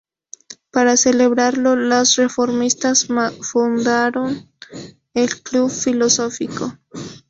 Para celebrarlo, los reformistas fundaron el Club Filosófico.